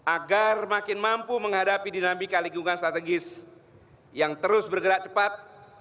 agar makin mampu menghadapi dinamika lingkungan strategis yang terus bergerak cepat